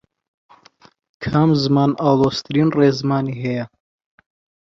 کام زمان ئاڵۆزترین ڕێزمانی هەیە؟